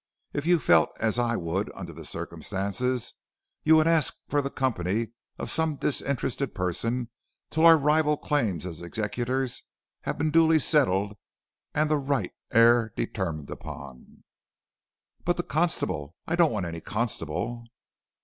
If you felt as I would under the circumstances, you would ask for the company of some disinterested person till our rival claims as executors had been duly settled and the right heir determined upon.' "'But the constable? I don't want any constable.'